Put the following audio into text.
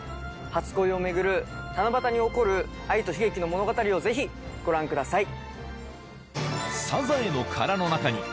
初恋を巡る七夕に起こる愛と悲劇の物語をぜひご覧ください。